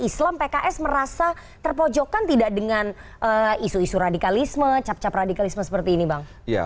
islam pks merasa terpojokkan tidak dengan isu isu radikalisme capradikalisme seperti ini bang ya